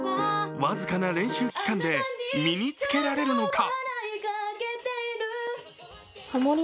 僅かな練習期間で身に着けられるのか。